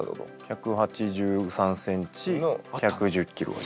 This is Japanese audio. １８３ｃｍ１１０ｋｇ。